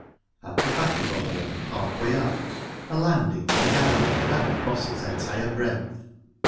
At the back of the hall, halfway up, a landing, or gallery, ran across its entire breadth.